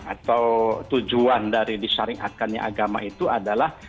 atau tujuan dari disyariatkannya agama itu adalah